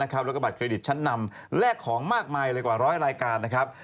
แล้วก็บัตรเครดิตชั้นนำแลกของมากมายเลยกว่าร้อยรายการนะครับ